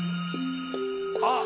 あっ！